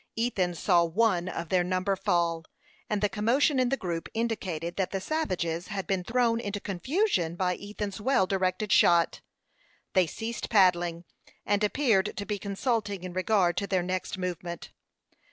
Ethan saw one of their number fall, and the commotion in the group indicated that the savages had been thrown into confusion by Ethan's well directed shot. They ceased paddling, and appeared to be consulting in regard to their next movement.